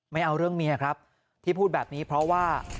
ไม่เอาเรื่องเมียครับที่พูดแบบนี้เพราะว่า